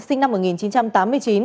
sinh năm một nghìn chín trăm tám mươi chín